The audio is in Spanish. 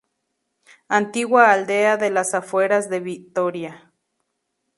Antigua aldea de las afueras de Vitoria.